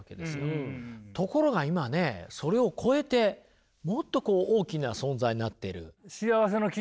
ところが今ねそれを超えてもっとこう大きな存在になってる。